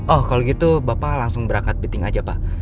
oh kalau gitu bapak langsung berangkat biting aja pak